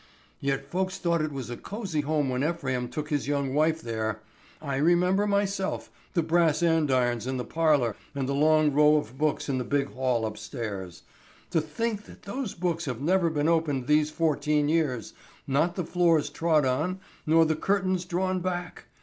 "Yet folks thought it was a cozy home when Ephraim took his young wife there. I remember, myself, the brass andirons in the parlor and the long row of books in the big hall upstairs. To think that those books have never been opened these fourteen years, nor the floors trod on, nor the curtains drawn back!